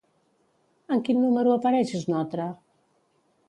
En quin número apareix Snotra?